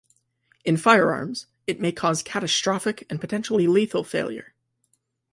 In firearms, it may cause catastrophic and potentially lethal failure.